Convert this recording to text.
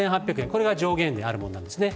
これが上限であるものなんです。